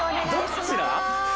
どっちだ？